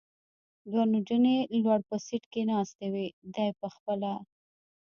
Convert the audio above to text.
دوه نجونې لوړ په سېټ کې ناستې وې، دی خپله.